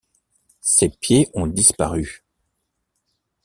Ses pieds ont disparu.